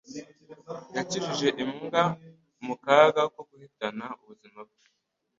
Yakijije imbwa mu kaga ko guhitana ubuzima bwe.